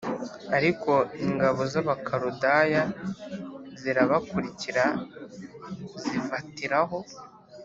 ariko ingabo z abakaludaya zirabakurikira zifatiraho